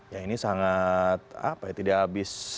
ya ini sangat apa ya tidak habis